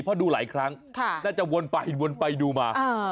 เพราะดูหลายครั้งน่าจะวนไปวนไปดูมา